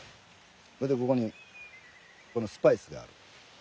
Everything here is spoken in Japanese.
それでここにこのスパイスがある。